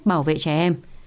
bảo vệ trẻ em